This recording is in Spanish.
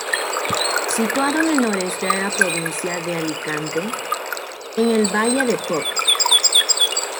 Situado en el noreste de la provincia de Alicante, en el Valle de Pop.